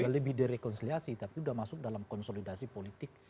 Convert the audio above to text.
lebih dari rekonsiliasi tapi sudah masuk dalam konsolidasi politik